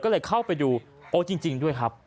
ก็เลยเข้าไปดูโอ้จริงด้วยครับ